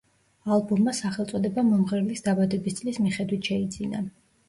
ალბომმა სახელწოდება მომღერლის დაბადების წლის მიხედვით შეიძინა.